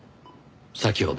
先ほど。